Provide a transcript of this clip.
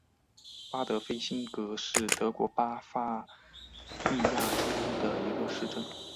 巴德菲辛格是德国巴伐利亚州的一个市镇。